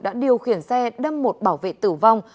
đã điều khiển xe đâm một bảo vệ tử vong